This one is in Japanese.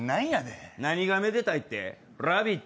何がめでたいって、「ラヴィット！」